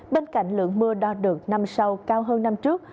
bên cạnh lượng mưa đo được năm sau cao hơn năm trước